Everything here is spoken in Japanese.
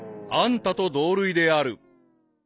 ［あんたと同類である］